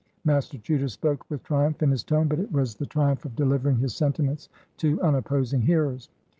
Master Chuter spoke with triumph in his tone, but it was the triumph of delivering his sentiments to unopposing hearers.